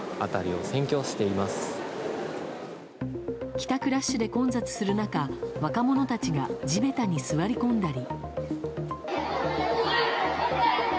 帰宅ラッシュで混雑する中若者たちが地べたに座り込んだり。